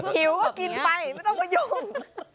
หิวก็กินไปไม่ต้องมายุ่ง